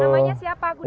namanya siapa kuda